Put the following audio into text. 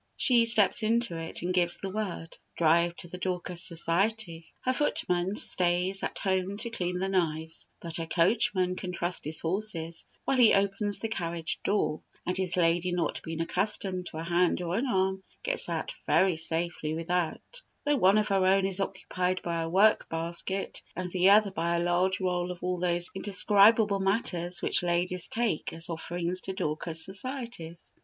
She steps into it, and gives the word, "Drive to the Dorcas Society." Her footman stays at home to clean the knives, but her coachman can trust his horses while he opens the carriage door, and his lady not being accustomed to a hand or an arm, gets out very safely without, though one of her own is occupied by a work basket, and the other by a large roll of all those indescribable matters which ladies take as offerings to Dorcas societies.